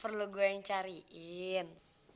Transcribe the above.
perlu gue yang cariin